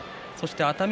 熱海